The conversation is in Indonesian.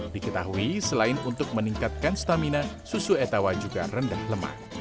diketahui selain untuk meningkatkan stamina susu etawa juga rendah lemah